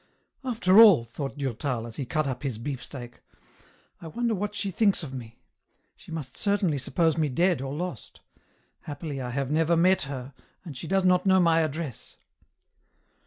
" After all," thought Durtal, as he cut up his beefsteak, " I wonder what she thinks of me ; she must certainly suppose me dead or lost ; happily I have never met her, and she does not know my address.